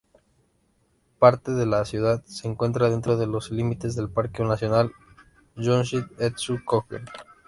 Parte de la ciudad se encuentran dentro de los límites del Parque Nacional Jōshin'etsu-kōgen.